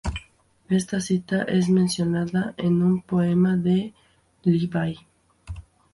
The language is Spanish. Esta cita es mencionada en un poema de Li Bai.